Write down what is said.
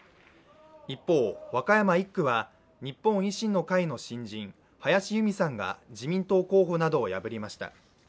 一方、和歌山１区は日本維新の会の新人林佑美さんが自民党候補などを破りました。